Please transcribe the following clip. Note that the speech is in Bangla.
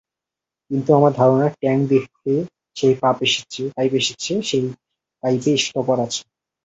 কিন্তু আমার ধারণা ট্যাংক থেকে যে পাইপ এসেছে সেই পাইপে স্টপার আছে।